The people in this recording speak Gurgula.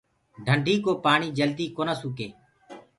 ڌنڊينٚ ڪو پآڻي جدي ڪونآ سُکي۔